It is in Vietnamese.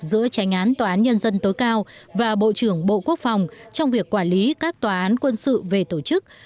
giữa tranh án tòa án nhân dân tối cao và bộ trưởng bộ quốc phòng trong việc quản lý các tòa án quân sự về tổ chức